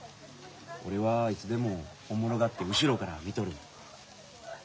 俺はいつでもおもろがって後ろから見とる。